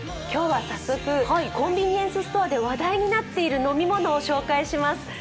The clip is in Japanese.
今日は早速、コンビニエンスストアで話題になっている飲み物を紹介します。